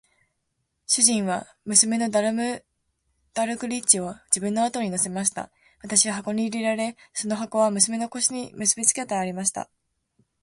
主人は娘のグラムダルクリッチを自分の後に乗せました。私は箱に入れられ、その箱は娘の腰に結びつけてありました。